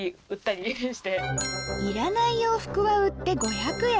いらない洋服は売って５００円